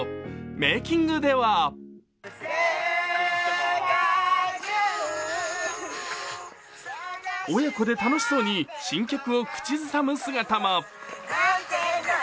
メーキングでは親子で楽しそうに新曲を口ずさむ姿も。